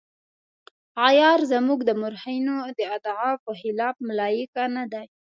عیار زموږ د مورخینو د ادعا په خلاف ملایکه نه ده.